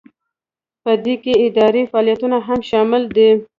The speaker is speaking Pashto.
په دې کې اداري فعالیتونه هم شامل دي.